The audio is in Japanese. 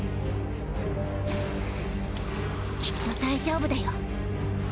きっと大丈夫だよ。